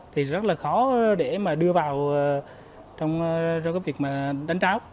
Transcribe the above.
thì rất là khó để đưa vào trong việc đánh trao